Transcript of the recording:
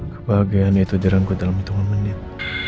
kebahagiaan itu dirangkul dalam hitungan menit